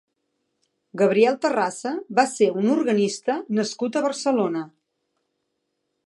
Gabriel Terrassa va ser un organista nascut a Barcelona.